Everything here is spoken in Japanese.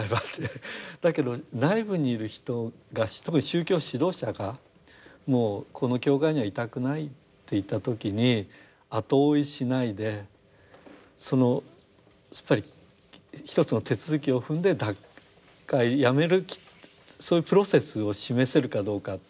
だけど内部にいる人が特に宗教指導者が「もうこの教会にはいたくない」と言った時に後追いしないですっぱり一つの手続きを踏んで脱会やめるそういうプロセスを示せるかどうか。